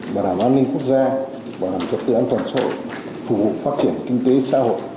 bảo đảm an ninh quốc gia bảo đảm cho tựa an toàn xã hội phù hợp phát triển kinh tế xã hội